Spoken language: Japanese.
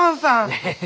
エヘヘヘ。